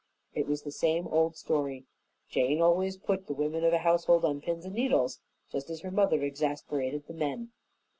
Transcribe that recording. It was the same old story. Jane always put the women of a household on pins and needles just as her mother exasperated the men.